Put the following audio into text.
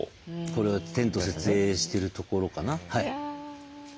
これはテント設営してるところかな。